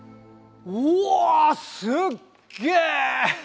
うわすっげえ！